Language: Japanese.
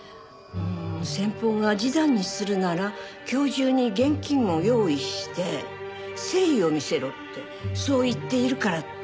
先方が示談にするなら今日中に現金を用意して誠意を見せろってそう言っているからって。